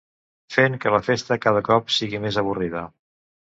Fent que la festa cada cop sigui més avorrida.